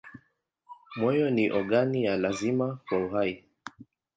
Moyo ni ogani ya lazima kwa uhai.